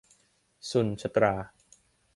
ชนุชตรา